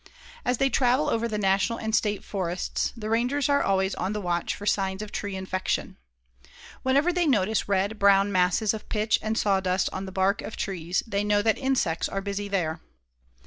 As they travel over the National and State Forests, the rangers are always on the watch for signs of tree infection. Whenever they notice red brown masses of pitch and sawdust on the bark of the trees, they know that insects are busy there.